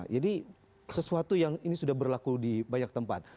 jadi sesuatu yang ini sudah berlaku di banyak tempat